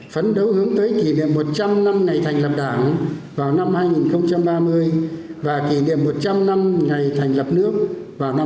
phấn đấu hướng tới kỷ niệm một trăm linh năm ngày thành lập đảng vào năm hai nghìn ba mươi và kỷ niệm một trăm linh năm ngày thành lập nước vào năm hai nghìn bốn mươi năm